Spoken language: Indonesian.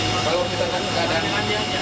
pak urmita kan keadaan ini